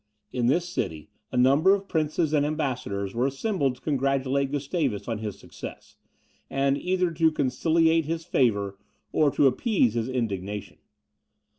In this city, a number of princes and ambassadors were assembled to congratulate Gustavus on his success, and either to conciliate his favour or to appease his indignation.